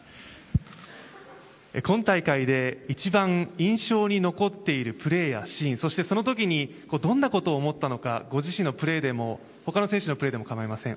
今大会で一番印象に残っているプレーやシーンそして、その時にどんなことを思ったのかご自身のプレーでも他の選手のプレーでも構いません。